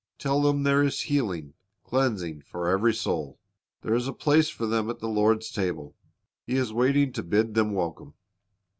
Tell them there is healing, cleansing for every soul. There is a place for them at the Lord's table. He is waiting to bid them welcome.